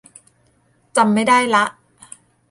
จำไม่ได้ละ